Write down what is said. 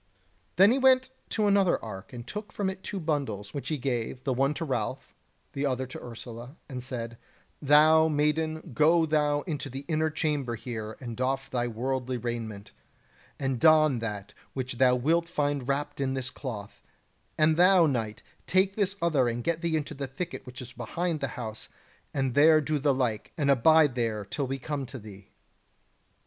Then he went to another ark, and took from it two bundles, which he gave, the one to Ralph, the other to Ursula, and said: "Thou, maiden, go thou into the inner chamber here and doff thy worldly raiment, and don that which thou wilt find wrapped in this cloth; and thou, knight, take this other and get thee into the thicket which is behind the house, and there do the like, and abide there till we come to thee."